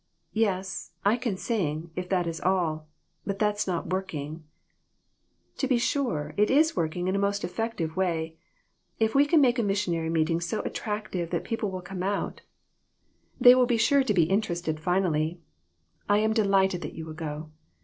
"Yes, I can sing, if that is all; but that's not working." "To be sure, it is working in a most effective way. If we can make a missionary meeting so attractive that people will come out, they will be THIS WORLD, AND THE OTHER ONE. 235 sure to be interested finally. I am delighted that you will go.